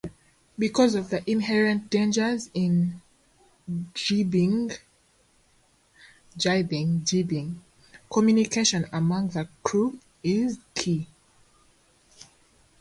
Because of the inherent dangers in jibing, communication among the crew is key.